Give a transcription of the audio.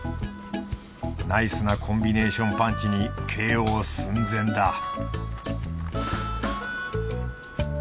ナイスなコンビネーションパンチに ＫＯ 寸前だ